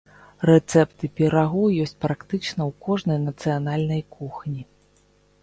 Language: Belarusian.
Рэцэпты пірагоў ёсць практычна ў кожнай нацыянальнай кухні.